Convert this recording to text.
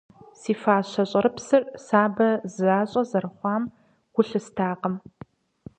Си фащэ щӏэрыпсыр сабэ защӏэ зэрыхъуам гу лъыстакъым.